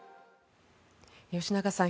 吉永さん